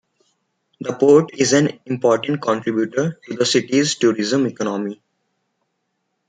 The port is an important contributor to the city's tourism economy.